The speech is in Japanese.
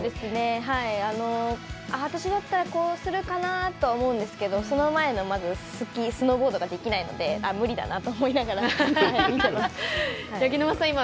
私だったらこうするかなと思うんですけどその前のまずスノーボードができないので無理だなと思いながら見てます。